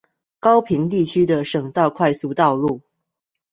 高屏地區的省道快速公路